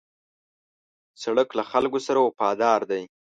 سړک له خلکو سره وفادار دی.